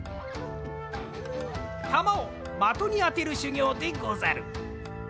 たまを的にあてるしゅぎょうでござる。